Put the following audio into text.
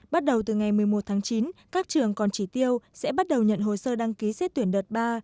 bắt đầu từ ngày một mươi một tháng chín các trường còn chỉ tiêu sẽ bắt đầu nhận hồ sơ đăng ký xét tuyển đợt ba